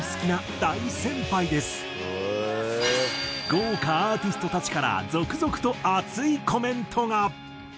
豪華アーティストたちから続々と熱いコメントが！